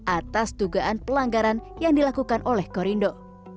atas dugaan pelanggaran yang dilakukan oleh korindo